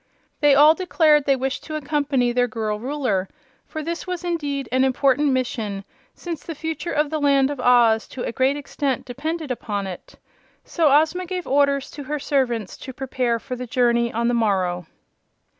They all declared they wished to accompany their girl Ruler, for this was indeed an important mission, since the future of the Land of Oz to a great extent depended upon it. So Ozma gave orders to her servants to prepare for the journey on the morrow.